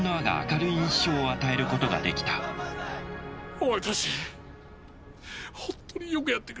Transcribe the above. お前たち本当によくやってくれた。